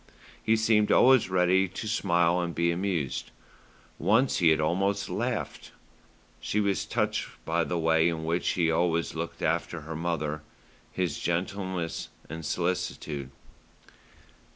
He seemed always ready to smile and be amused. Once he had almost laughed. She was touched by the way in which he always looked after her mother, his gentleness and solicitude.